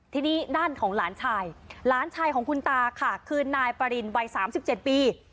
ทีนี้ด้านของหลานชายหลานชายของคุณตาค่ะคือนายปรินวัย๓๗ปี